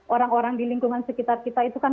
orang orang di lingkungan sekitar kita itu kan